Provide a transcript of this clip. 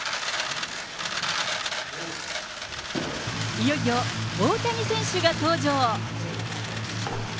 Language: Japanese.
いよいよ大谷選手が登場。